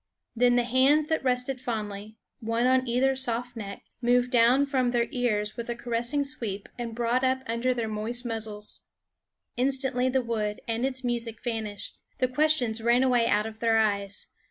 Then the hands that rested fondly, one on either soft neck, moved down from their ears with a caressing sweep and brought up under their moist muzzles. Instantly the wood and its music vanished ; the questions ran away out of their eyes.